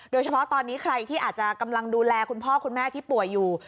โดยเฉพาะตอนนี้ใครที่อาจจะกำลังดูแลคุณพ่อคุณแม่ที่ป่วยอยู่